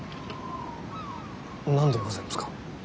何でございますか。